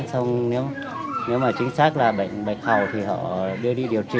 xong nếu mà chính xác là bệnh bệnh hào thì họ đưa đi điều trị